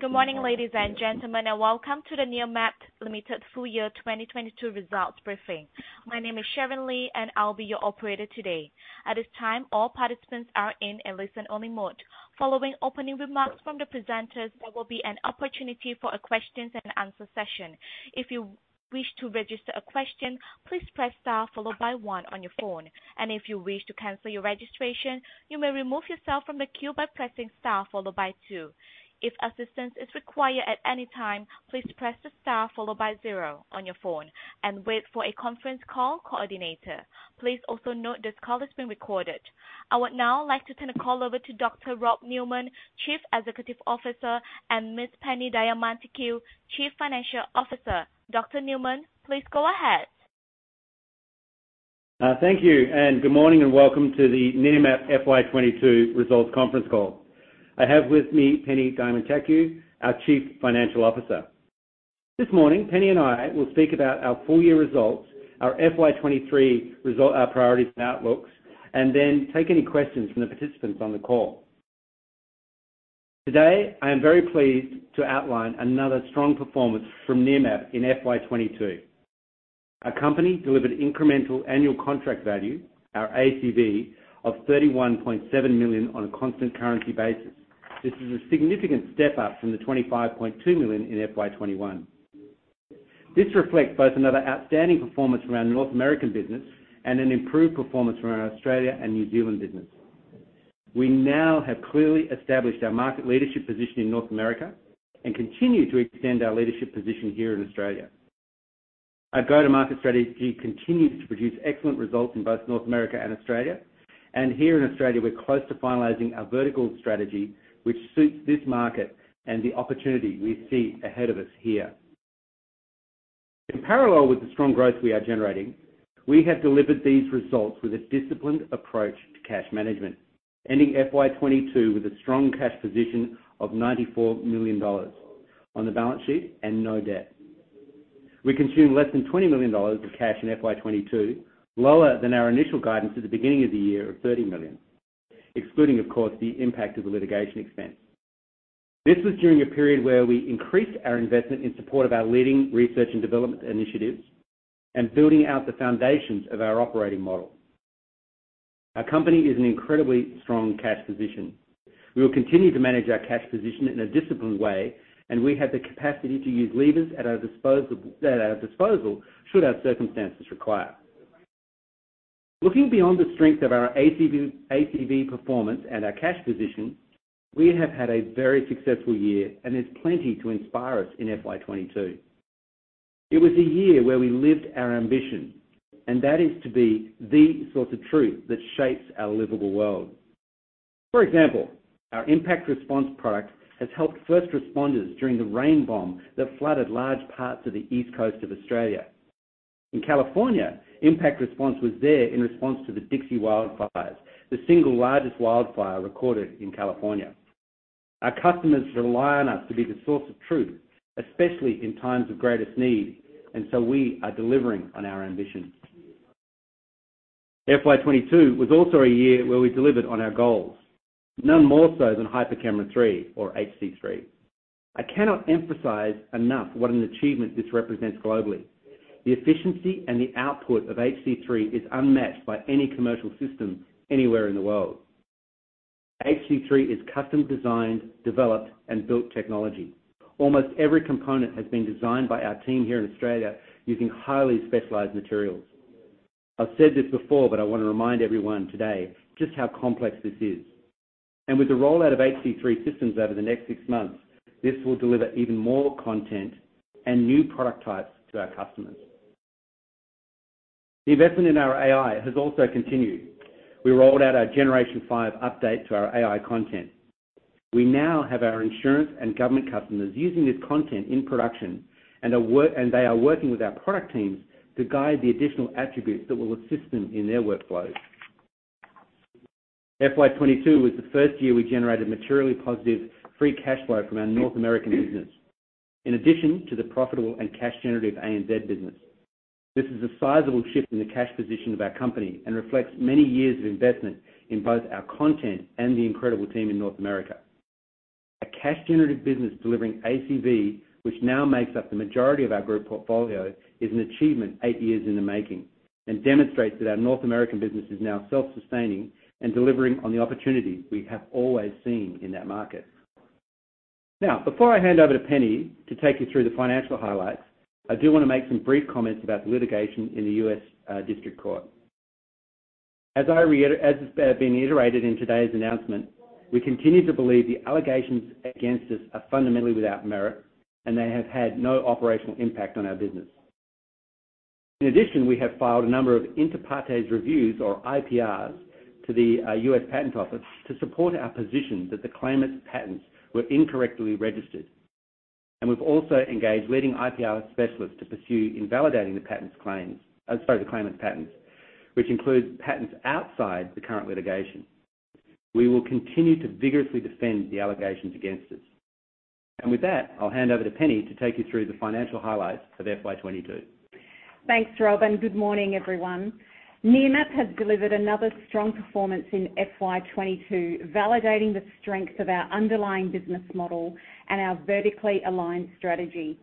Good morning, ladies and gentlemen, and welcome to the Nearmap Limited full year 2022 results briefing. My name is Sharon Lee, and I'll be your operator today. At this time, all participants are in a listen-only mode. Following opening remarks from the presenters, there will be an opportunity for a questions-and-answer session. If you wish to register a question, please press star followed by one on your phone, and if you wish to cancel your registration, you may remove yourself from the queue by pressing star followed by two. If assistance is required at any time, please press star followed by zero on your phone and wait for a conference call coordinator. Please also note this call is being recorded. I would now like to turn the call over to Dr. Rob Newman, Chief Executive Officer, and Ms. Penny Diamantakiou, Chief Financial Officer. Dr. Newman, please go ahead. Thank you, and good morning, and welcome to the Nearmap FY 2022 results conference call. I have with me Penny Diamantakiou, our Chief Financial Officer. This morning, Penny and I will speak about our full year results, our FY 2023 priorities and outlooks, and then take any questions from the participants on the call. Today, I am very pleased to outline another strong performance from Nearmap in FY 2022. Our company delivered incremental annual contract value, our ACV, of 31.7 million on a constant currency basis. This is a significant step up from the 25.2 million in FY 2021. This reflects both another outstanding performance from our North American business and an improved performance from our Australia and New Zealand business. We now have clearly established our market leadership position in North America and continue to extend our leadership position here in Australia. Our go-to-market strategy continues to produce excellent results in both North America and Australia, and here in Australia, we're close to finalizing our vertical strategy, which suits this market and the opportunity we see ahead of us here. In parallel with the strong growth we are generating, we have delivered these results with a disciplined approach to cash management, ending FY 2022 with a strong cash position of 94 million dollars on the balance sheet and no debt. We consumed less than 20 million dollars of cash in FY 2022, lower than our initial guidance at the beginning of the year of 30 million, excluding, of course, the impact of the litigation expense. This was during a period where we increased our investment in support of our leading research and development initiatives and building out the foundations of our operating model. Our company is in an incredibly strong cash position. We will continue to manage our cash position in a disciplined way, and we have the capacity to use levers at our disposal should our circumstances require. Looking beyond the strength of our ACV performance and our cash position, we have had a very successful year, and there's plenty to inspire us in FY 2022. It was a year where we lived our ambition, and that is to be the source of truth that shapes our livable world. For example, our ImpactResponse product has helped first responders during the rain bomb that flooded large parts of the east coast of Australia. In California, ImpactResponse was there in response to the Dixie Wildfire, the single largest wildfire recorded in California. Our customers rely on us to be the source of truth, especially in times of greatest need, and so we are delivering on our ambition. FY 2022 was also a year where we delivered on our goals, none more so than HyperCamera 3 or HC3. I cannot emphasize enough what an achievement this represents globally. The efficiency and the output of HC3 is unmatched by any commercial system anywhere in the world. HC3 is custom-designed, developed, and built technology. Almost every component has been designed by our team here in Australia using highly specialized materials. I've said this before, but I want to remind everyone today just how complex this is. With the rollout of HC3 systems over the next six months, this will deliver even more content and new product types to our customers. The investment in our AI has also continued. We rolled out our Generation 5 update to our AI content. We now have our insurance and government customers using this content in production, and they are working with our product teams to guide the additional attributes that will assist them in their workflows. FY 2022 was the first year we generated materially positive free cash flow from our North American business, in addition to the profitable and cash-generative ANZ business. This is a sizable shift in the cash position of our company and reflects many years of investment in both our content and the incredible team in North America. A cash-generative business delivering ACV, which now makes up the majority of our group portfolio, is an achievement eight years in the making and demonstrates that our North American business is now self-sustaining and delivering on the opportunity we have always seen in that market. Now, before I hand over to Penny to take you through the financial highlights, I do want to make some brief comments about the litigation in the U.S. District Court. As has been iterated in today's announcement, we continue to believe the allegations against us are fundamentally without merit, and they have had no operational impact on our business. In addition, we have filed a number of inter partes reviews, or IPRs, to the U.S. Patent Office to support our position that the claimant's patents were incorrectly registered. We've also engaged leading IPR specialists to pursue invalidating the claimant's patents, which include patents outside the current litigation. We will continue to vigorously defend the allegations against us. With that, I'll hand over to Penny to take you through the financial highlights of FY 2022. Thanks, Rob, and good morning, everyone. Nearmap has delivered another strong performance in FY 2022, validating the strength of our underlying business model and our vertically aligned strategy.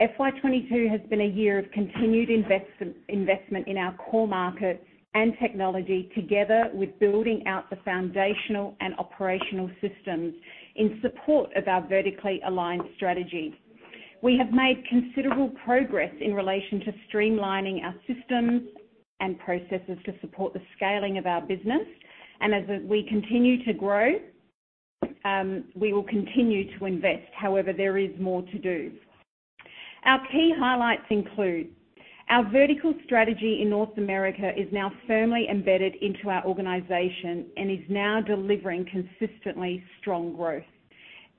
FY 2022 has been a year of continued investment in our core market and technology, together with building out the foundational and operational systems in support of our vertically aligned strategy. We have made considerable progress in relation to streamlining our systems and processes to support the scaling of our business, and as we continue to grow, we will continue to invest. However, there is more to do. Our key highlights include our vertical strategy in North America is now firmly embedded into our organization and is now delivering consistently strong growth.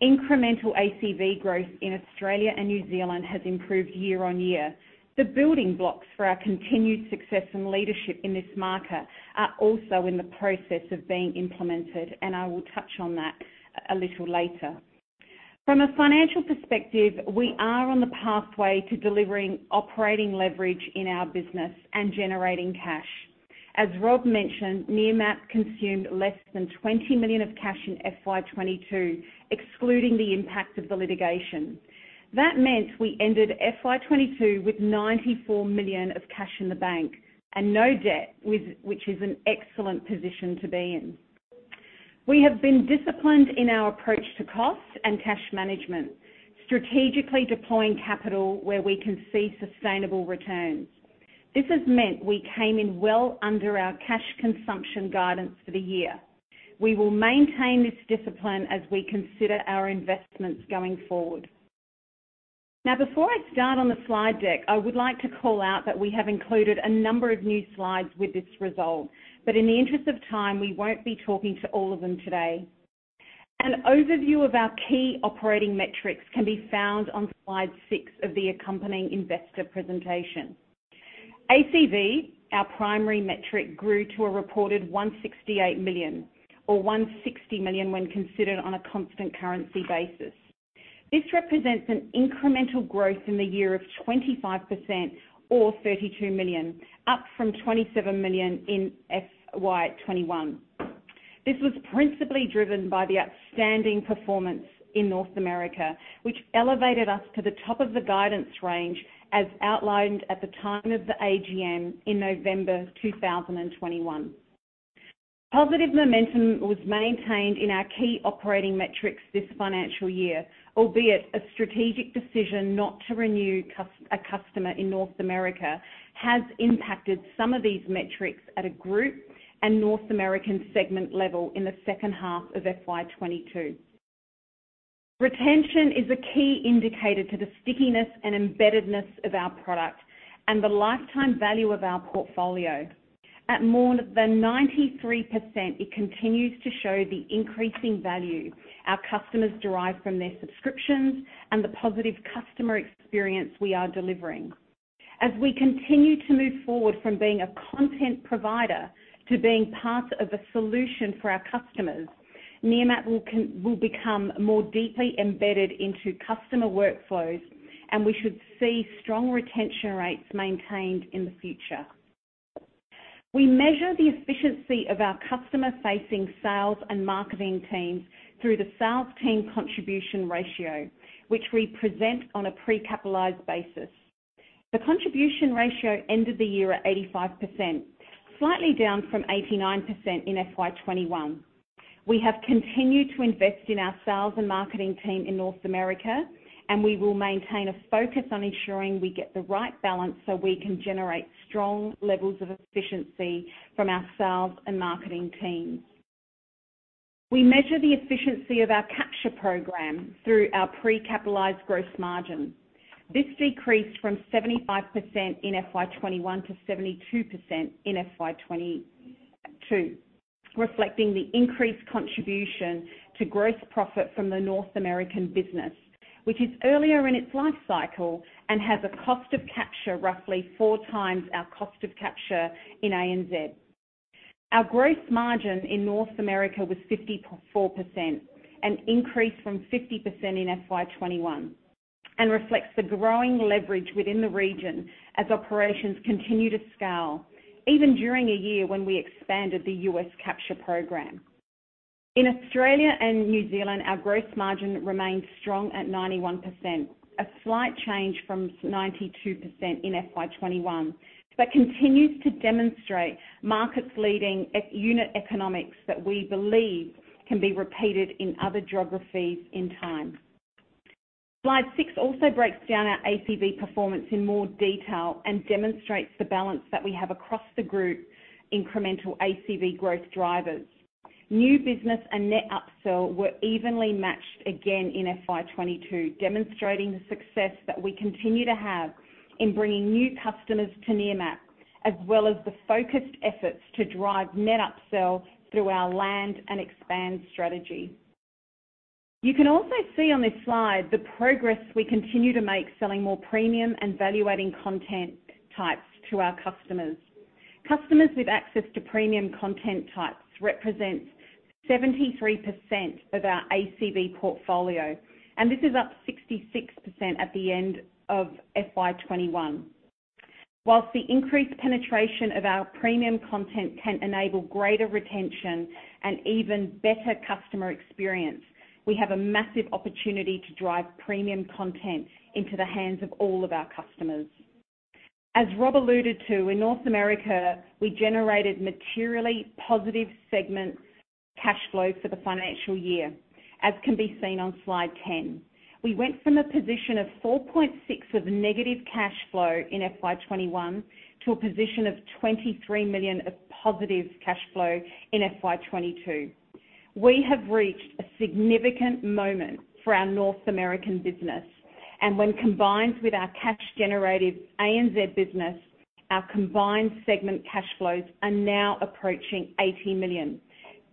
Incremental ACV growth in Australia and New Zealand has improved year-on-year. The building blocks for our continued success and leadership in this market are also in the process of being implemented, and I will touch on that a little later. From a financial perspective, we are on the pathway to delivering operating leverage in our business and generating cash. As Rob mentioned, Nearmap consumed less than 20 million of cash in FY 2022, excluding the impact of the litigation. That meant we ended FY 2022 with 94 million of cash in the bank and no debt, which is an excellent position to be in. We have been disciplined in our approach to cost and cash management, strategically deploying capital where we can see sustainable returns. This has meant we came in well under our cash consumption guidance for the year. We will maintain this discipline as we consider our investments going forward. Now, before I start on the slide deck, I would like to call out that we have included a number of new slides with this result, but in the interest of time, we won't be talking to all of them today. An overview of our key operating metrics can be found on slide six of the accompanying investor presentation. ACV, our primary metric, grew to a reported 168 million, or 160 million when considered on a constant currency basis. This represents an incremental growth in the year of 25%, or 32 million, up from 27 million in FY 2021. This was principally driven by the outstanding performance in North America, which elevated us to the top of the guidance range as outlined at the time of the AGM in November 2021. Positive momentum was maintained in our key operating metrics this financial year, albeit a strategic decision not to renew a customer in North America has impacted some of these metrics at a group and North American segment level in the second half of FY 2022. Retention is a key indicator to the stickiness and embeddedness of our product and the lifetime value of our portfolio. At more than 93%, it continues to show the increasing value our customers derive from their subscriptions and the positive customer experience we are delivering. As we continue to move forward from being a content provider to being part of a solution for our customers, Nearmap will become more deeply embedded into customer workflows, and we should see strong retention rates maintained in the future. We measure the efficiency of our customer-facing sales and marketing teams through the sales team contribution ratio, which we present on a pre-capitalized basis. The contribution ratio ended the year at 85%, slightly down from 89% in FY 2021. We have continued to invest in our sales and marketing team in North America, and we will maintain a focus on ensuring we get the right balance so we can generate strong levels of efficiency from our sales and marketing teams. We measure the efficiency of our capture program through our pre-capitalized gross margin. This decreased from 75% in FY 2021 to 72% in FY 2022, reflecting the increased contribution to gross profit from the North American business, which is earlier in its life cycle and has a cost of capture roughly four times our cost of capture in ANZ. Our gross margin in North America was 54%, an increase from 50% in FY 2021, and reflects the growing leverage within the region as operations continue to scale, even during a year when we expanded the U.S. capture program. In Australia and New Zealand, our gross margin remained strong at 91%, a slight change from 92% in FY 2021, but continues to demonstrate market-leading unit economics that we believe can be repeated in other geographies in time. Slide six also breaks down our ACV performance in more detail and demonstrates the balance that we have across the group incremental ACV growth drivers. New business and net upsell were evenly matched again in FY 2022, demonstrating the success that we continue to have in bringing new customers to Nearmap, as well as the focused efforts to drive net upsell through our land and expand strategy. You can also see on this slide the progress we continue to make selling more premium and valuing content types to our customers. Customers with access to premium content types represent 73% of our ACV portfolio, and this is up 66% at the end of FY 2021. While the increased penetration of our premium content can enable greater retention and even better customer experience, we have a massive opportunity to drive premium content into the hands of all of our customers. As Rob alluded to, in North America, we generated materially positive segment cash flow for the financial year, as can be seen on slide 10. We went from a position of negative AUD 4.6 million cash flow in FY 2021 to a position of positive 23 million cash flow in FY 2022. We have reached a significant moment for our North American business, and when combined with our cash-generative ANZ business, our combined segment cash flows are now approaching 80 million,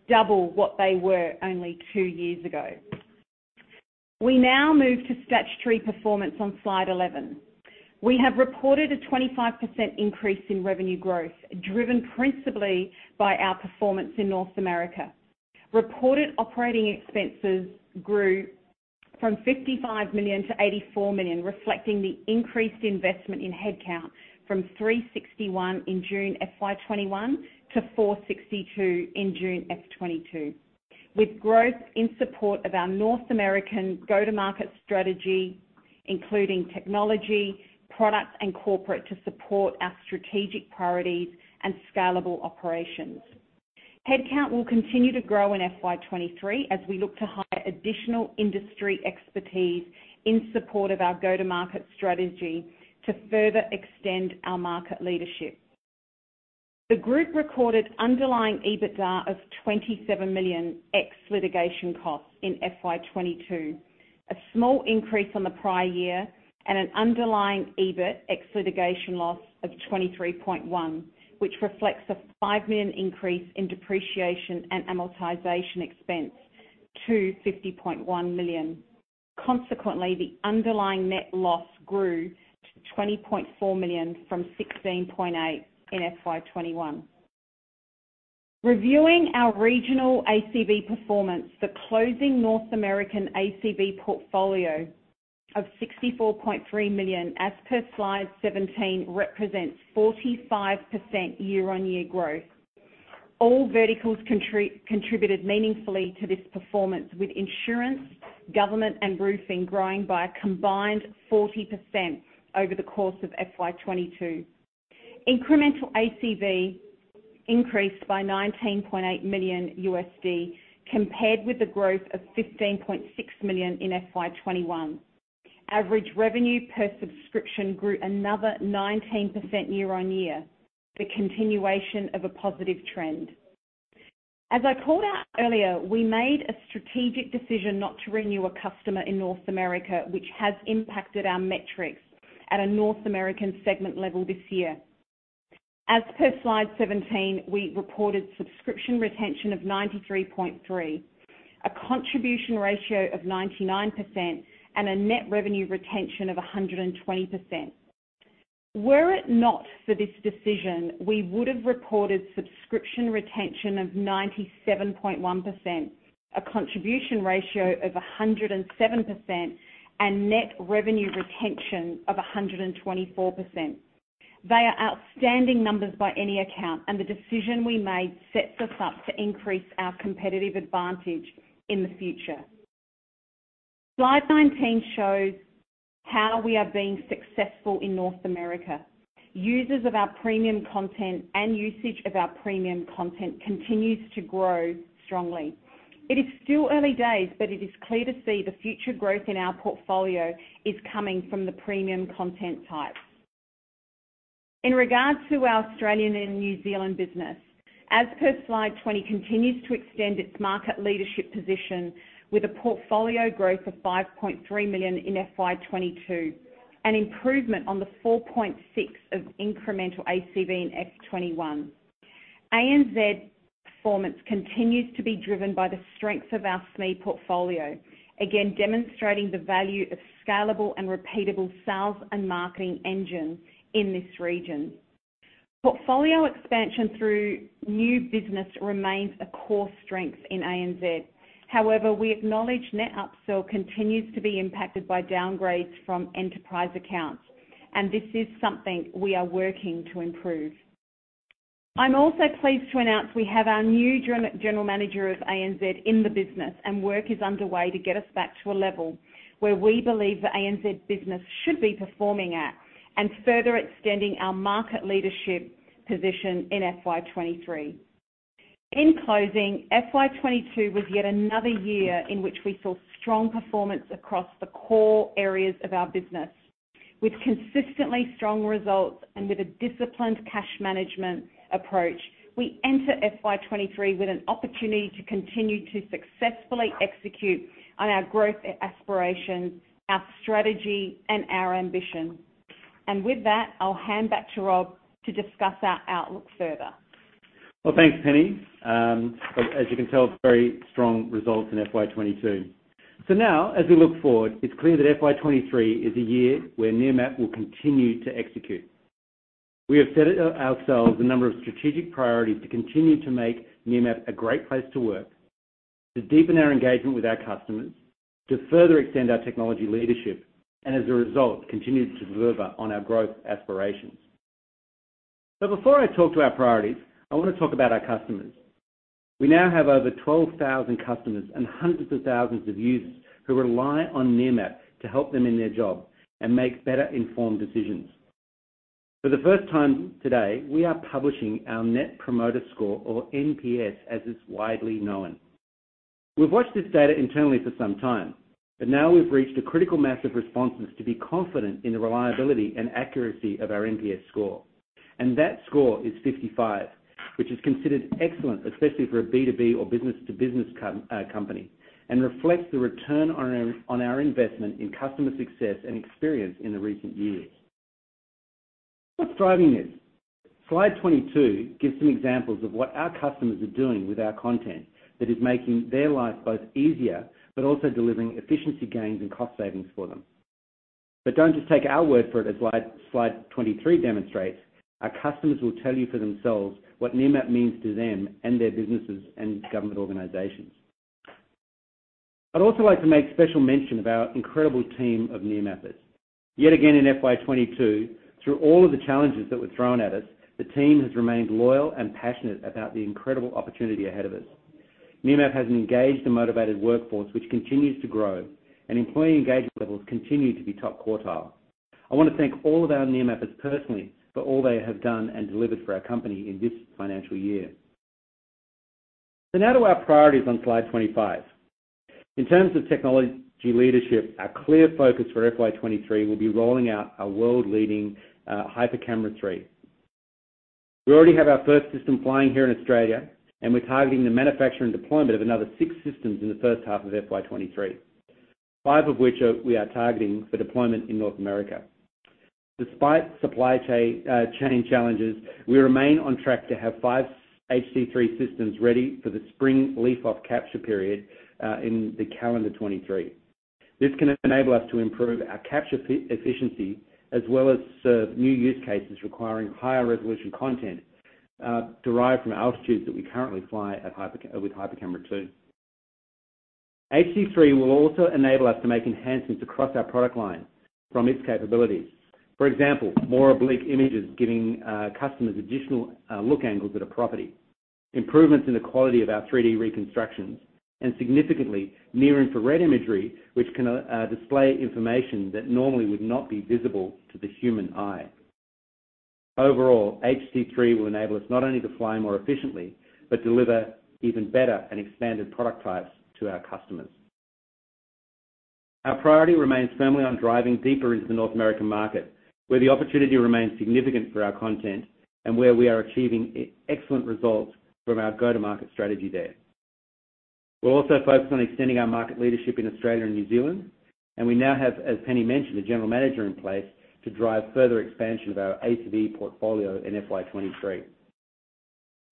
double what they were only two years ago. We now move to statutory performance on slide 11. We have reported a 25% increase in revenue growth, driven principally by our performance in North America. Reported operating expenses grew from 55 million-84 million, reflecting the increased investment in headcount from 361 in June FY 2021 to 462 in June FY 2022, with growth in support of our North American go-to-market strategy, including technology, products, and corporate to support our strategic priorities and scalable operations. Headcount will continue to grow in FY 2023 as we look to hire additional industry expertise in support of our go-to-market strategy to further extend our market leadership. The group recorded underlying EBITDA of 27 million ex-litigation costs in FY 2022, a small increase on the prior year, and an underlying EBIT ex-litigation loss of 23.1 million, which reflects a 5 million increase in depreciation and amortization expense to 50.1 million. Consequently, the underlying net loss grew to 20.4 million from 16.8 million in FY 2021. Reviewing our regional ACV performance, the closing North American ACV portfolio of 64.3 million, as per slide 17, represents 45% year-on-year growth. All verticals contributed meaningfully to this performance, with insurance, government, and roofing growing by a combined 40% over the course of FY 2022. Incremental ACV increased by $19.8 million compared with the growth of $15.6 million in FY 2021. Average revenue per subscription grew another 19% year-on-year, the continuation of a positive trend. As I called out earlier, we made a strategic decision not to renew a customer in North America, which has impacted our metrics at a North American segment level this year. As per slide 17, we reported subscription retention of 93.3%, a contribution ratio of 99%, and a net revenue retention of 120%. Were it not for this decision, we would have reported subscription retention of 97.1%, a contribution ratio of 107%, and net revenue retention of 124%. They are outstanding numbers by any account, and the decision we made sets us up to increase our competitive advantage in the future. Slide 19 shows how we are being successful in North America. Users of our premium content and usage of our premium content continues to grow strongly. It is still early days, but it is clear to see the future growth in our portfolio is coming from the premium content types. In regard to our Australian and New Zealand business, as per slide 20, it continues to extend its market leadership position with a portfolio growth of 5.3 million in FY 2022, an improvement on the 4.6 million of incremental ACV in FY 2021. ANZ performance continues to be driven by the strength of our SME portfolio, again demonstrating the value of scalable and repeatable sales and marketing engines in this region. Portfolio expansion through new business remains a core strength in ANZ. However, we acknowledge net upsell continues to be impacted by downgrades from enterprise accounts, and this is something we are working to improve. I'm also pleased to announce we have our new general manager of ANZ in the business, and work is underway to get us back to a level where we believe the ANZ business should be performing at and further extending our market leadership position in FY 2023. In closing, FY 2022 was yet another year in which we saw strong performance across the core areas of our business. With consistently strong results and with a disciplined cash management approach, we enter FY 2023 with an opportunity to continue to successfully execute on our growth aspirations, our strategy, and our ambition. With that, I'll hand back to Rob to discuss our outlook further. Well, thanks, Penny. As you can tell, very strong results in FY 2022. Now, as we look forward, it's clear that FY 2023 is a year where Nearmap will continue to execute. We have set ourselves a number of strategic priorities to continue to make Nearmap a great place to work, to deepen our engagement with our customers, to further extend our technology leadership, and as a result, continue to deliver on our growth aspirations. Before I talk to our priorities, I want to talk about our customers. We now have over 12,000 customers and hundreds of thousands of users who rely on Nearmap to help them in their job and make better-informed decisions. For the first time today, we are publishing our Net Promoter Score, or NPS, as it's widely known. We've watched this data internally for some time, but now we've reached a critical mass of responses to be confident in the reliability and accuracy of our NPS score. That score is 55, which is considered excellent, especially for a B2B or business-to-business company, and reflects the return on our investment in customer success and experience in the recent years. What's driving this? Slide 22 gives some examples of what our customers are doing with our content that is making their life both easier but also delivering efficiency gains and cost savings for them. Don't just take our word for it, as Slide 23 demonstrates. Our customers will tell you for themselves what Nearmap means to them and their businesses and government organizations. I'd also like to make special mention of our incredible team of Nearmappers. Yet again, in FY 2022, through all of the challenges that were thrown at us, the team has remained loyal and passionate about the incredible opportunity ahead of us. Nearmap has an engaged and motivated workforce which continues to grow, and employee engagement levels continue to be top quartile. I want to thank all of our Nearmappers personally for all they have done and delivered for our company in this financial year. Now to our priorities on slide 25. In terms of technology leadership, our clear focus for FY 2023 will be rolling out our world-leading HyperCamera 3. We already have our first system flying here in Australia, and we're targeting the manufacture and deployment of another six systems in the first half of FY 2023, five of which we are targeting for deployment in North America. Despite supply chain challenges, we remain on track to have five HC3 systems ready for the spring leaf-off capture period in the calendar 2023. This can enable us to improve our capture efficiency as well as serve new use cases requiring higher-resolution content derived from altitudes that we currently fly with HyperCamera2. HC3 will also enable us to make enhancements across our product line from its capabilities. For example, more oblique images giving customers additional look angles at a property, improvements in the quality of our 3D reconstructions, and significantly, near-infrared imagery which can display information that normally would not be visible to the human eye. Overall, HC3 will enable us not only to fly more efficiently but deliver even better and expanded product types to our customers. Our priority remains firmly on driving deeper into the North American market, where the opportunity remains significant for our content and where we are achieving excellent results from our go-to-market strategy there. We'll also focus on extending our market leadership in Australia and New Zealand, and we now have, as Penny mentioned, a general manager in place to drive further expansion of our ACV portfolio in FY 2023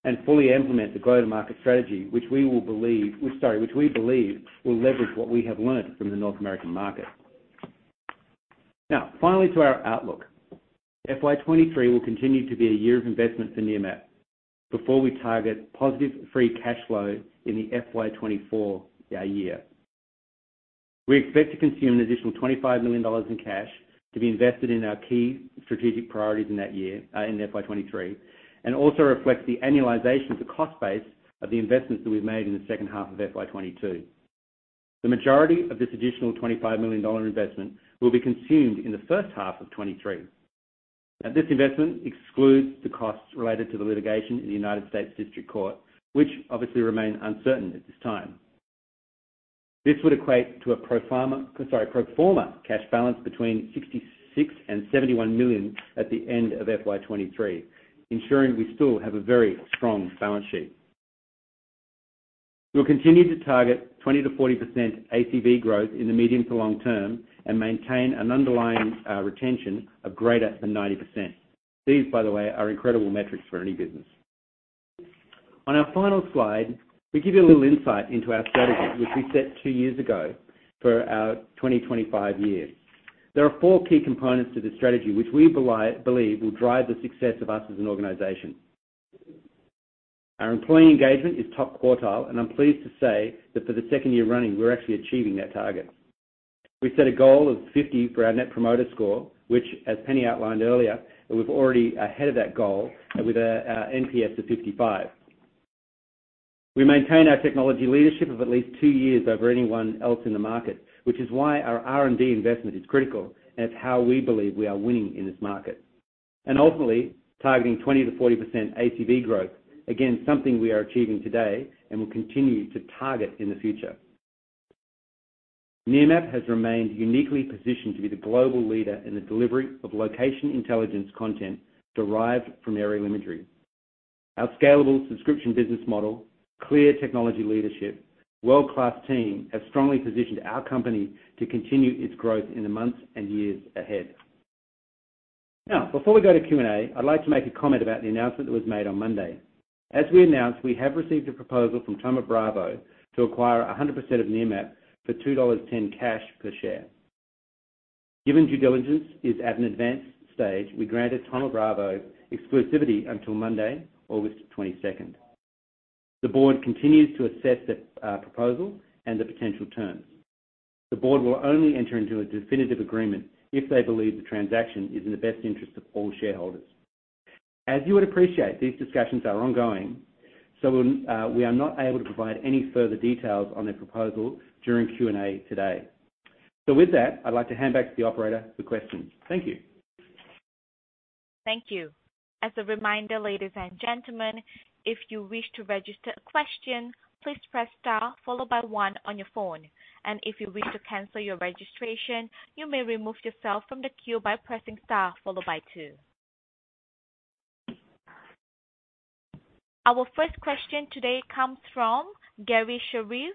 and fully implement the go-to-market strategy, which we believe will leverage what we have learned from the North American market. Now, finally, to our outlook, FY 2023 will continue to be a year of investment for Nearmap before we target positive free cash flow in the FY 2024 year. We expect to consume an additional 25 million dollars in cash to be invested in our key strategic priorities in FY 2023 and also reflects the annualization of the cost base of the investments that we've made in the second half of FY 2022. The majority of this additional 25 million dollar investment will be consumed in the first half of 2023. Now, this investment excludes the costs related to the litigation in the United States District Court, which obviously remain uncertain at this time. This would equate to a pro forma cash balance between 66 million and 71 million at the end of FY 2023, ensuring we still have a very strong balance sheet. We'll continue to target 20%-40% ACV growth in the medium to long term and maintain an underlying retention of greater than 90%. These, by the way, are incredible metrics for any business. On our final slide, we give you a little insight into our strategy, which we set two years ago for our 2025 year. There are four key components to the strategy which we believe will drive the success of us as an organization. Our employee engagement is top quartile, and I'm pleased to say that for the second year running, we're actually achieving that target. We set a goal of 50 for our Net Promoter Score, which, as Penny outlined earlier, we're already ahead of that goal with our NPS of 55. We maintain our technology leadership of at least two years over anyone else in the market, which is why our R&D investment is critical, and it's how we believe we are winning in this market. Ultimately, targeting 20%-40% ACV growth, again, something we are achieving today and will continue to target in the future. Nearmap has remained uniquely positioned to be the global leader in the delivery of location intelligence content derived from aerial imagery. Our scalable subscription business model, clear technology leadership, and world-class team have strongly positioned our company to continue its growth in the months and years ahead. Now, before we go to Q&A, I'd like to make a comment about the announcement that was made on Monday. As we announced, we have received a proposal from Thoma Bravo to acquire 100% of Nearmap for 2.10 dollars cash per share. Given due diligence is at an advanced stage, we granted Thoma Bravo exclusivity until Monday, August 22nd. The board continues to assess the proposal and the potential terms. The board will only enter into a definitive agreement if they believe the transaction is in the best interest of all shareholders. As you would appreciate, these discussions are ongoing, so we are not able to provide any further details on their proposal during Q&A today. With that, I'd like to hand back to the operator for questions. Thank you. Thank you. As a reminder, ladies and gentlemen, if you wish to register a question, please press star followed by one on your phone. If you wish to cancel your registration, you may remove yourself from the queue by pressing star followed by two. Our first question today comes from Garry Sherriff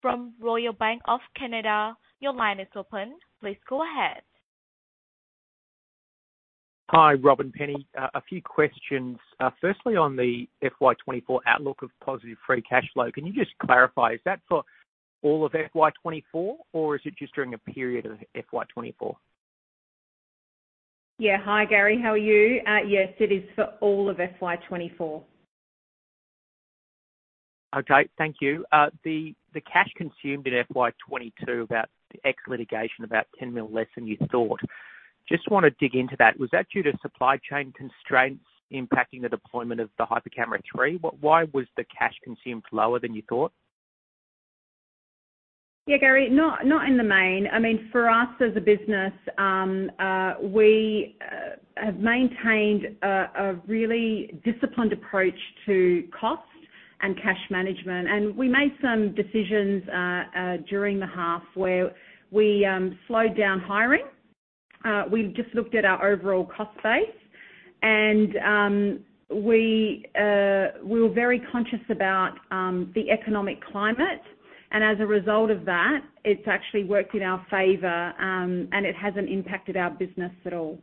from Royal Bank of Canada. Your line is open. Please go ahead. Hi, Rob and Penny. A few questions. Firstly, on the FY 2024 outlook of positive free cash flow, can you just clarify? Is that for all of FY 2024, or is it just during a period of FY 2024? Yeah. Hi, Garry. How are you? Yes, it is for all of FY 2024. Okay. Thank you. The cash consumed in FY 2022, the ex-litigation, about 10 million less than you thought. Just want to dig into that. Was that due to supply chain constraints impacting the deployment of the HyperCamera 3? Why was the cash consumed lower than you thought? Yeah, Garry. Not in the main. I mean, for us as a business, we have maintained a really disciplined approach to cost and cash management. We made some decisions during the half where we slowed down hiring. We just looked at our overall cost base, and we were very conscious about the economic climate. As a result of that, it's actually worked in our favor, and it hasn't impacted our business at all.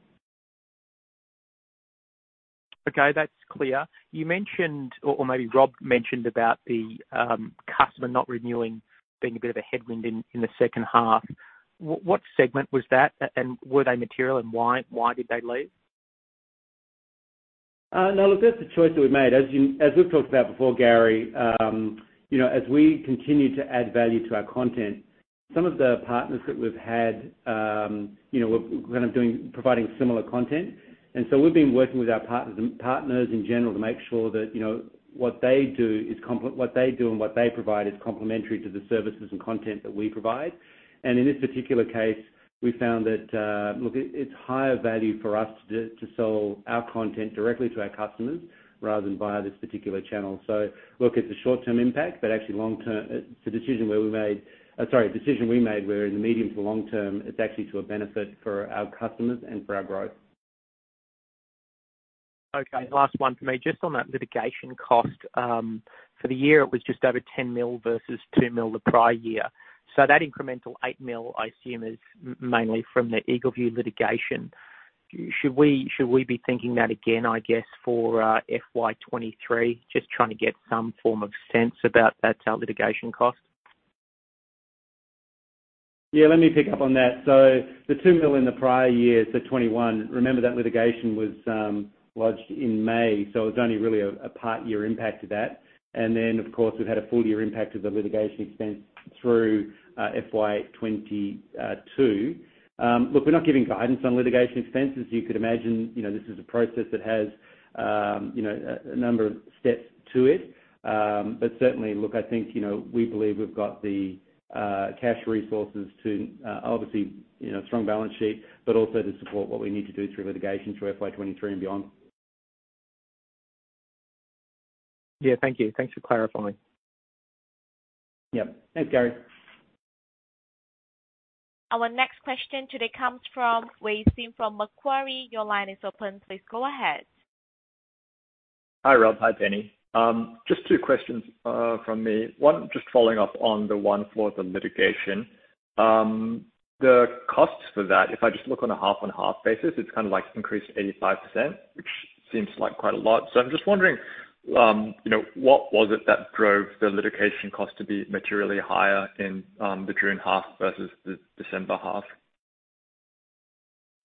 Okay. That's clear. Maybe Rob mentioned about the customer not renewing being a bit of a headwind in the second half. What segment was that, and were they material, and why did they leave? Now, look, that's a choice that we made. As we've talked about before, Garry, as we continue to add value to our content, some of the partners that we've had, we're kind of providing similar content. In this particular case, we found that, look, it's higher value for us to sell our content directly to our customers rather than via this particular channel. Look, it's a short-term impact, but actually, long-term, it's a decision we made where in the medium to long term, it's actually to a benefit for our customers and for our growth. Okay. Last one for me. Just on that litigation cost, for the year, it was just over 10 million versus 2 million the prior year. So that incremental 8 million, I assume, is mainly from the EagleView litigation. Should we be thinking that again, I guess, for FY 2023, just trying to get some form of sense about that litigation cost? Yeah. Let me pick up on that. The 2 million in the prior year, so 2021, remember that litigation was lodged in May, so it was only really a part-year impact of that. And then, of course, we've had a full-year impact of the litigation expense through FY 2022. Look, we're not giving guidance on litigation expenses. You could imagine this is a process that has a number of steps to it. But certainly, look, I think we believe we've got the cash resources to obviously, a strong balance sheet, but also to support what we need to do through litigation through FY 2023 and beyond. Yeah. Thank you. Thanks for clarifying. Yep. Thanks, Garry. Our next question today comes from ZheWei Sim from Macquarie. Your line is open. Please go ahead. Hi, Rob. Hi, Penny. Just two questions from me. One, just following up on the one for the litigation. The costs for that, if I just look on a half-on-half basis, it's kind of increased 85%, which seems like quite a lot. I'm just wondering, what was it that drove the litigation cost to be materially higher in the June half versus the December half?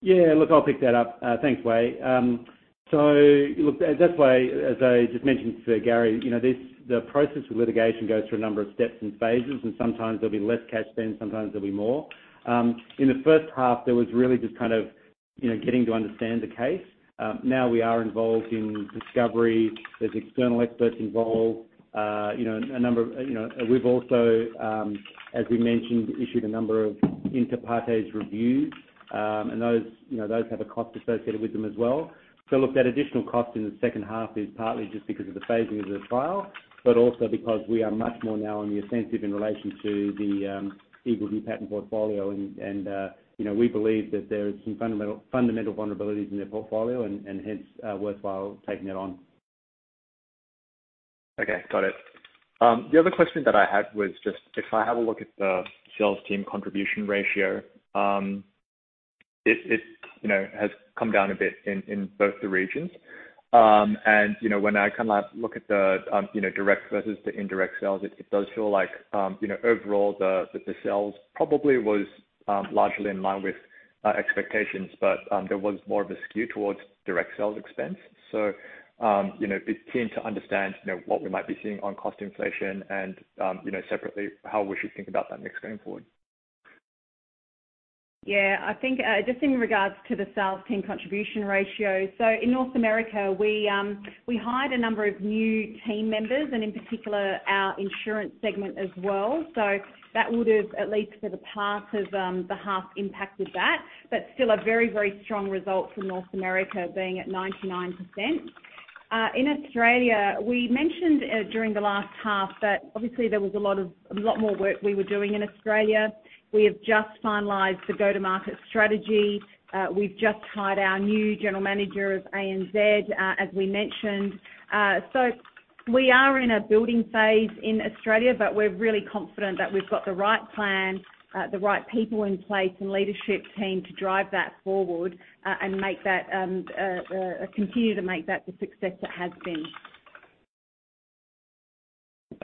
Yeah. Look, I'll pick that up. Thanks, ZheWei. Look, that's why, as I just mentioned to Garry, the process with litigation goes through a number of steps and phases, and sometimes there'll be less cash spend, sometimes there'll be more. In the first half, there was really just kind of getting to understand the case. Now we are involved in discovery. There's external experts involved. We've also, as we mentioned, issued a number of inter partes reviews, and those have a cost associated with them as well. Look, that additional cost in the second half is partly just because of the phasing of the trial, but also because we are much more now on the offensive in relation to the EagleView patent portfolio. We believe that there are some fundamental vulnerabilities in their portfolio, and hence, worthwhile taking that on. Okay. Got it. The other question that I had was just if I have a look at the sales team contribution ratio, it has come down a bit in both the regions. When I kind of look at the direct versus the indirect sales, it does feel like overall, the sales probably was largely in line with expectations, but there was more of a skew towards direct sales expense. It's keen to understand what we might be seeing on cost inflation and separately, how we should think about that mix going forward. Yeah. I think just in regards to the sales team contribution ratio, in North America, we hired a number of new team members, and in particular, our insurance segment as well. That would have, at least for the past half, impacted that, but still a very, very strong result for North America being at 99%. In Australia, we mentioned during the last half that obviously, there was a lot more work we were doing in Australia. We have just finalized the go-to-market strategy. We've just hired our new general manager of ANZ, as we mentioned. We are in a building phase in Australia, but we're really confident that we've got the right plan, the right people in place, and leadership team to drive that forward and continue to make that the success it has been.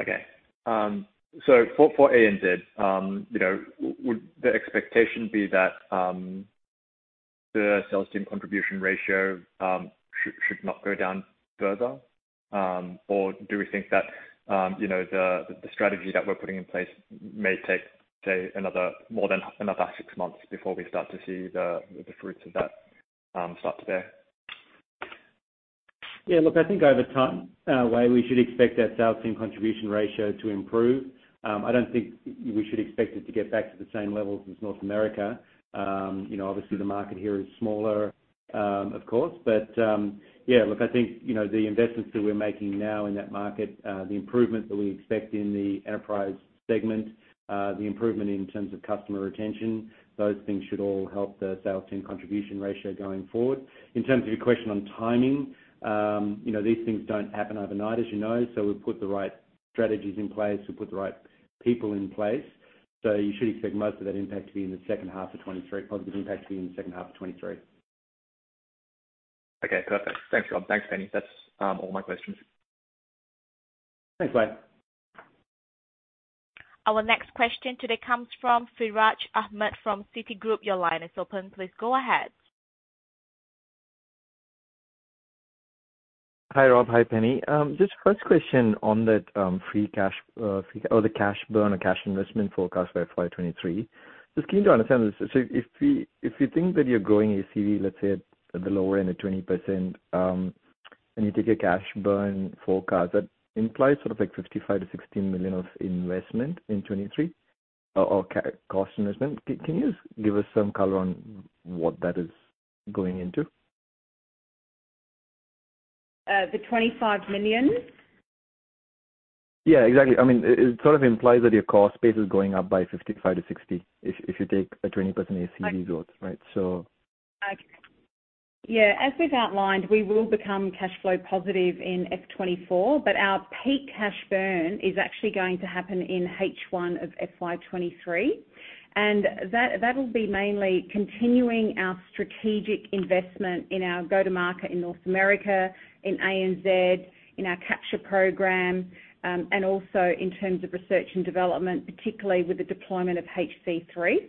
Okay. For ANZ, would the expectation be that the sales team contribution ratio should not go down further? Or do we think that the strategy that we're putting in place may take, say, more than another six months before we start to see the fruits of that start to bear? Yeah. Look, I think over time, ZheWei, we should expect that sales team contribution ratio to improve. I don't think we should expect it to get back to the same levels as North America. Obviously, the market here is smaller, of course. Yeah, look, I think the investments that we're making now in that market, the improvement that we expect in the enterprise segment, the improvement in terms of customer retention, those things should all help the sales team contribution ratio going forward. In terms of your question on timing, these things don't happen overnight, as you know. We've put the right strategies in place. We've put the right people in place. You should expect most of that impact to be in the second half of 2023, positive impact to be in the second half of 2023. Okay. Perfect. Thanks, Rob. Thanks, Penny. That's all my questions. Thanks, ZheWei. Our next question today comes from Siraj Ahmed from Citigroup. Your line is open. Please go ahead. Hi, Rob. Hi, Penny. Just first question on that free cash or the cash burn or cash investment forecast for FY 2023. Just keen to understand this. If you think that you're growing ACV, let's say at the lower end of 20%, and you take a cash burn forecast, that implies sort of 55 million-60 million of investment in 2023 or cash investment. Can you just give us some color on what that is going into? The 25 million? Yeah. Exactly. I mean, it sort of implies that your cost base is going up by 55 million-60 million if you take a 20% ACV growth, right? So. Okay. Yeah. As we've outlined, we will become cash flow positive in FY 2024, but our peak cash burn is actually going to happen in H1 of FY 2023. That'll be mainly continuing our strategic investment in our go-to-market in North America, in ANZ, in our capture program, and also in terms of research and development, particularly with the deployment of HC3.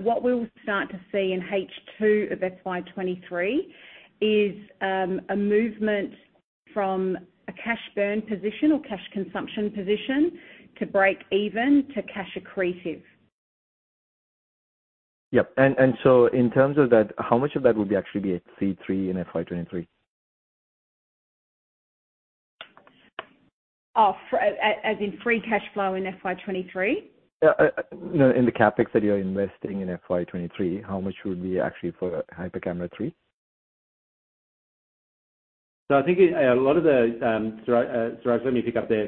What we will start to see in H2 of FY 2023 is a movement from a cash burn position or cash consumption position to break even to cash accretive. Yep. In terms of that, how much of that would actually be at HC3 in FY 2023? Oh, as in free cash flow in FY 2023? No. In the CapEx that you're investing in FY 2023, how much would be actually for HyperCamera 3? I think a lot of the Siraj, let me pick up there.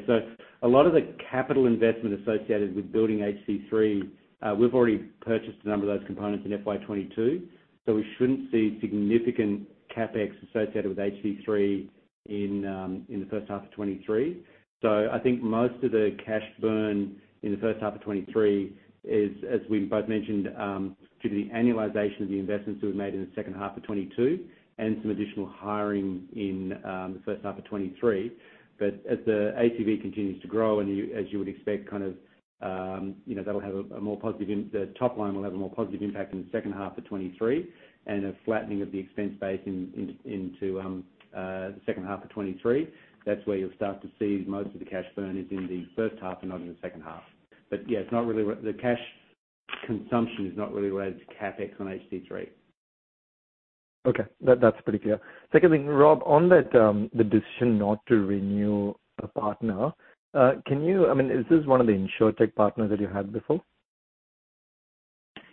A lot of the capital investment associated with building HC3, we've already purchased a number of those components in FY 2022, so we shouldn't see significant CapEx associated with HC3 in the first half of 2023. I think most of the cash burn in the first half of 2023 is, as we both mentioned, due to the annualization of the investments that we've made in the second half of 2022 and some additional hiring in the first half of 2023. But as the ACV continues to grow, and as you would expect, kind of the top line will have a more positive impact in the second half of 2023 and a flattening of the expense base into the second half of 2023. That's where you'll start to see most of the cash burn is in the first half and not in the second half. Yeah, the cash consumption is not really related to CapEx on HC3. Okay. That's pretty clear. Second thing, Rob, on that decision not to renew a partner, I mean, is this one of the insurtech partners that you had before?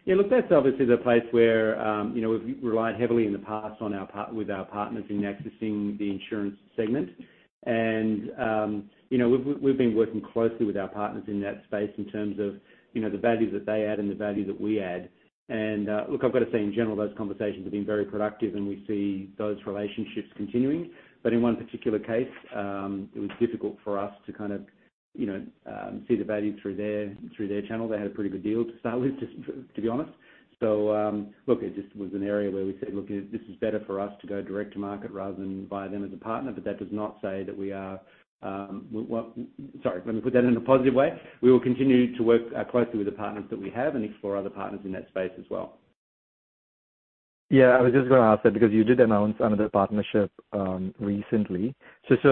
Yeah. Look, that's obviously the place where we've relied heavily in the past with our partners in accessing the insurance segment. We've been working closely with our partners in that space in terms of the value that they add and the value that we add. Look, I've got to say, in general, those conversations have been very productive, and we see those relationships continuing. In one particular case, it was difficult for us to kind of see the value through their channel. They had a pretty good deal to start with, to be honest. Look, it just was an area where we said, "Look, this is better for us to go direct-to-market rather than via them as a partner." That does not say that we are sorry. Let me put that in a positive way. We will continue to work closely with the partners that we have and explore other partners in that space as well. Yeah. I was just going to ask that because you did announce another partnership recently. Just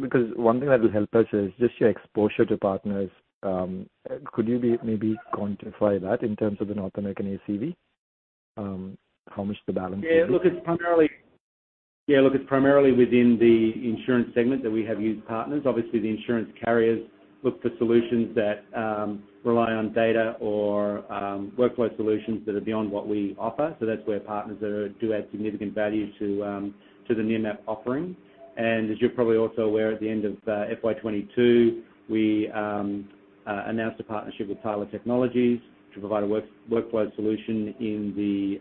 because one thing that will help us is just your exposure to partners. Could you maybe quantify that in terms of the North American ACV, how much the balance is? Yeah. Look, it's primarily within the insurance segment that we have used partners. Obviously, the insurance carriers look for solutions that rely on data or workflow solutions that are beyond what we offer. That's where partners do add significant value to the Nearmap offering. As you're probably also aware, at the end of FY 2022, we announced a partnership with Tyler Technologies to provide a workflow solution in the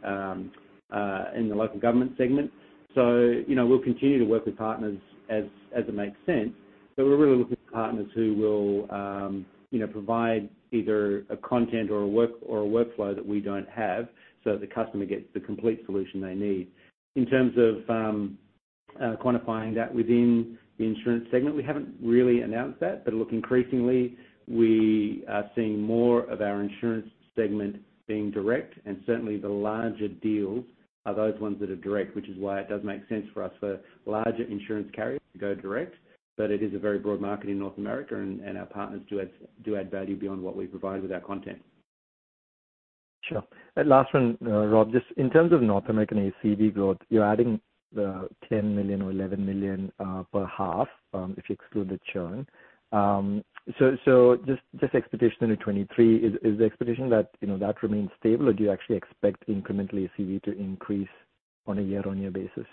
local government segment. We'll continue to work with partners as it makes sense. We're really looking for partners who will provide either a content or a workflow that we don't have so that the customer gets the complete solution they need. In terms of quantifying that within the insurance segment, we haven't really announced that. Look, increasingly, we are seeing more of our insurance segment being direct. Certainly, the larger deals are those ones that are direct, which is why it does make sense for us for larger insurance carriers to go direct. It is a very broad market in North America, and our partners do add value beyond what we provide with our content. Sure. Last one, Rob. Just in terms of North American ACV growth, you're adding the $10 million or $11 million per half if you exclude the churn. Just expectations into 2023, is the expectation that that remains stable, or do you actually expect incremental ACV to increase on a year-on-year basis?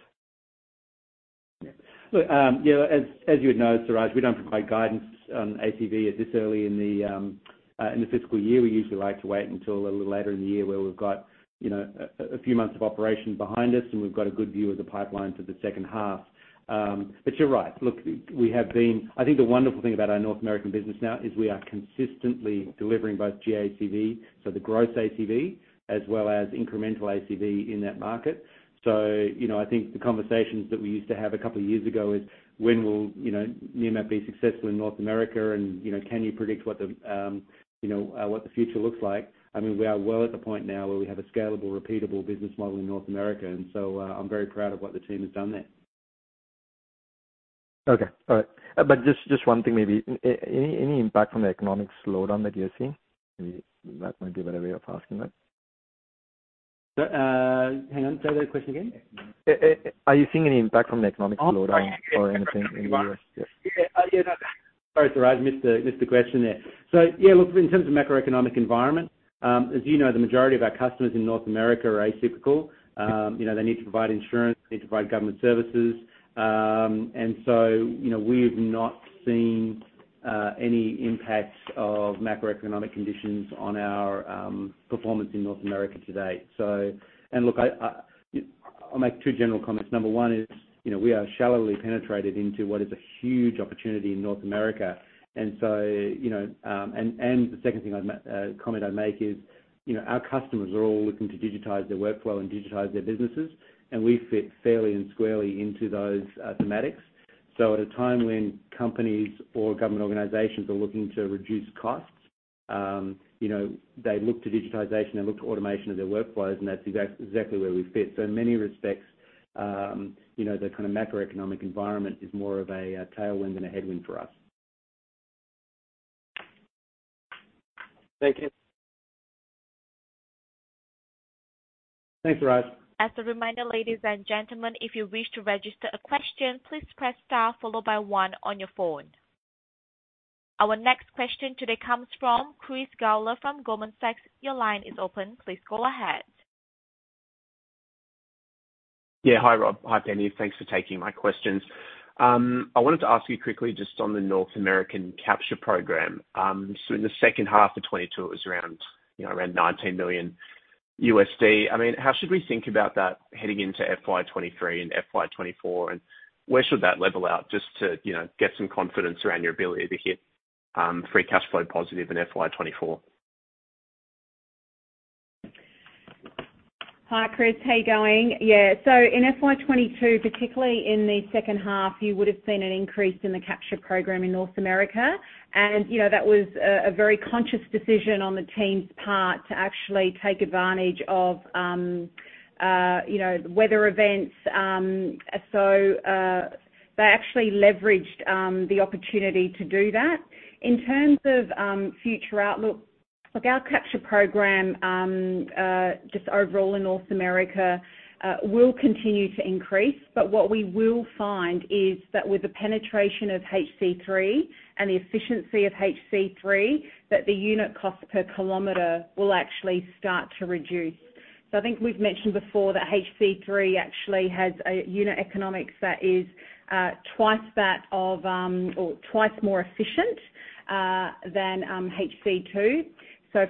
Look, as you would know, Siraj, we don't provide guidance on ACV this early in the fiscal year. We usually like to wait until a little later in the year where we've got a few months of operation behind us and we've got a good view of the pipeline for the second half. You're right. Look, I think the wonderful thing about our North American business now is we are consistently delivering both GACV, so the gross ACV, as well as incremental ACV in that market. I think the conversations that we used to have a couple of years ago is, "When will Nearmap be successful in North America, and can you predict what the future looks like?" I mean, we are well at the point now where we have a scalable, repeatable business model in North America. I'm very proud of what the team has done there. Okay. All right. Just one thing maybe. Any impact from the economic slowdown that you're seeing? Maybe that might be a better way of asking that. Hang on. Say that question again. Are you seeing any impact from the economic slowdown or anything in the US? Yeah. Sorry, Siraj. I missed the question there. Yeah, look, in terms of macroeconomic environment, as you know, the majority of our customers in North America are atypical. They need to provide insurance. They need to provide government services. We have not seen any impacts of macroeconomic conditions on our performance in North America to date. Look, I'll make two general comments. Number one is we are shallowly penetrated into what is a huge opportunity in North America. The second thing comment I'd make is our customers are all looking to digitize their workflow and digitize their businesses, and we fit fairly and squarely into those thematics. At a time when companies or government organizations are looking to reduce costs, they look to digitization. They look to automation of their workflows, and that's exactly where we fit. In many respects, the kind of macroeconomic environment is more of a tailwind than a headwind for us. Thank you. Thanks, Siraj. As a reminder, ladies and gentlemen, if you wish to register a question, please press star followed by one on your phone. Our next question today comes from Chris Gawler from Goldman Sachs. Your line is open. Please go ahead. Yeah. Hi, Rob. Hi, Penny. Thanks for taking my questions. I wanted to ask you quickly just on the North American capture program. In the second half of 2022, it was around $19 million. I mean, how should we think about that heading into FY 2023 and FY 2024, and where should that level out just to get some confidence around your ability to hit free cash flow positive in FY 2024? Hi, Chris. How are you going? Yeah. In FY 2022, particularly in the second half, you would have seen an increase in the capture program in North America. That was a very conscious decision on the team's part to actually take advantage of weather events. They actually leveraged the opportunity to do that. In terms of future outlook, look, our capture program just overall in North America will continue to increase. What we will find is that with the penetration of HC3 and the efficiency of HC3, that the unit cost per kilometer will actually start to reduce. I think we've mentioned before that HC3 actually has a unit economics that is twice that of or twice more efficient than HC2.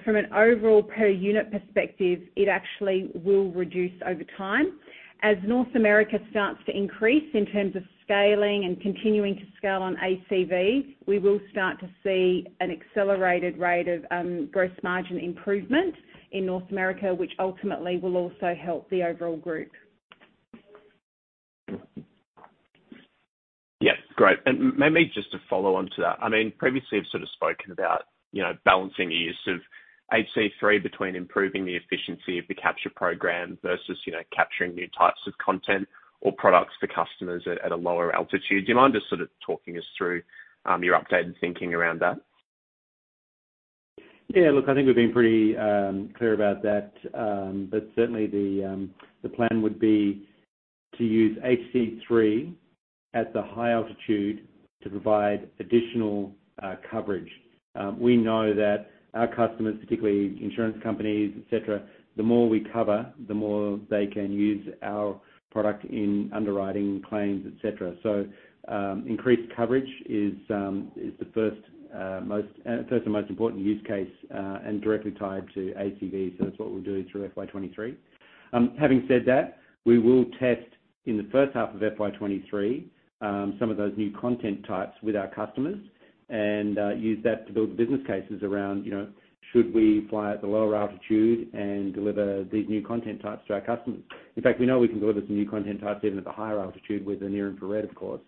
From an overall per-unit perspective, it actually will reduce over time. As North America starts to increase in terms of scaling and continuing to scale on ACV, we will start to see an accelerated rate of gross margin improvement in North America, which ultimately will also help the overall group. Yep. Great. Maybe just to follow on to that. I mean, previously, I've sort of spoken about balancing the use of HC3 between improving the efficiency of the capture program versus capturing new types of content or products for customers at a lower altitude. Do you mind just sort of talking us through your updated thinking around that? Yeah. Look, I think we've been pretty clear about that. Certainly, the plan would be to use HC3 at the high altitude to provide additional coverage. We know that our customers, particularly insurance companies, etc., the more we cover, the more they can use our product in underwriting, claims, etc. Increased coverage is the first and most important use case and directly tied to ACV. That's what we're doing through FY 2023. Having said that, we will test in the first half of FY 2023 some of those new content types with our customers and use that to build the business cases around, "Should we fly at the lower altitude and deliver these new content types to our customers?" In fact, we know we can deliver some new content types even at the higher altitude with the near-infrared, of course.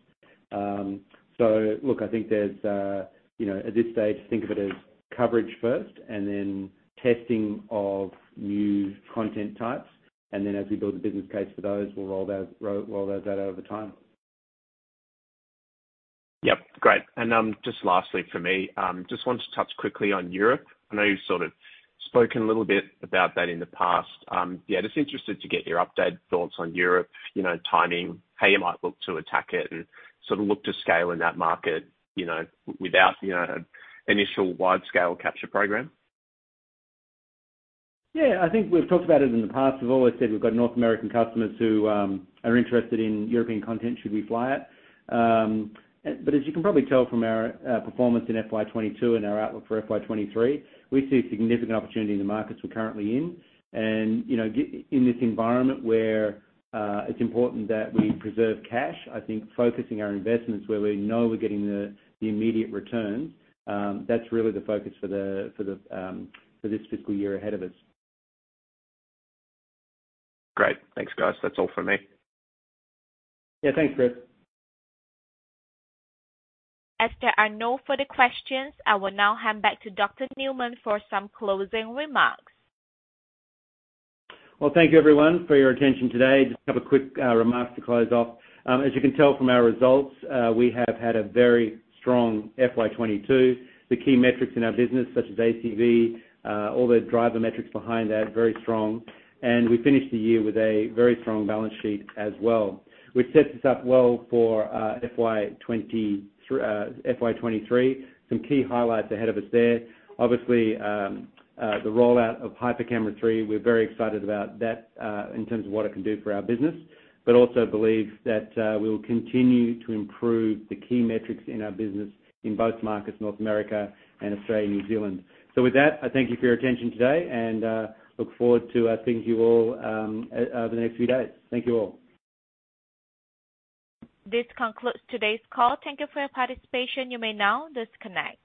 Look, I think at this stage, think of it as coverage first and then testing of new content types. As we build the business case for those, we'll roll those out over time. Yep. Great. Just lastly for me, just want to touch quickly on Europe. I know you've sort of spoken a little bit about that in the past. Yeah. Just interested to get your updated thoughts on Europe, timing, how you might look to attack it, and sort of look to scale in that market without an initial widescale capture program. Yeah. I think we've talked about it in the past. We've always said we've got North American customers who are interested in European content, "Should we fly it?" as you can probably tell from our performance in FY 2022 and our outlook for FY 2023, we see significant opportunity in the markets we're currently in. In this environment where it's important that we preserve cash, I think focusing our investments where we know we're getting the immediate returns, that's really the focus for this fiscal year ahead of us. Great. Thanks, guys. That's all from me. Yeah. Thanks, Chris. As there are no further questions, I will now hand back to Dr. Rob Newman for some closing remarks. Well, thank you, everyone, for your attention today. Just a couple of quick remarks to close off. As you can tell from our results, we have had a very strong FY 2022. The key metrics in our business, such as ACV, all the driver metrics behind that, very strong. We finished the year with a very strong balance sheet as well, which sets us up well for FY 2023. Some key highlights ahead of us there. Obviously, the rollout of HyperCamera 3, we're very excited about that in terms of what it can do for our business but also believe that we will continue to improve the key metrics in our business in both markets, North America and Australia and New Zealand. With that, I thank you for your attention today and look forward to seeing you all over the next few days. Thank you all. This concludes today's call. Thank you for your participation. You may now disconnect.